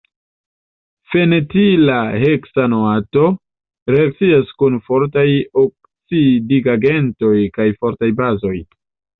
Fenetila heksanoato reakcias kun fortaj oksidigagentoj kaj fortaj bazoj.